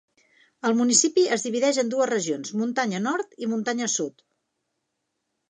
El municipi es divideix en dues regions: Muntanya Nord i Muntanya Sud.